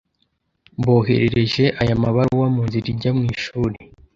Mboherereje aya mabaruwa munzira ijya mwishuri